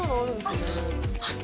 あっ！